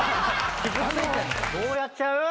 どうやっちゃう？